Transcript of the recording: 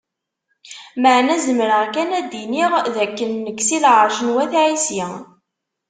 Meεna zemreɣ kan ad d-iniɣ d akken nekk si Lεerc n Wat Ɛisi.